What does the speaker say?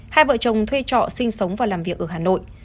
hai vợ chồng thuê trọ sinh sống và làm việc ở hà nội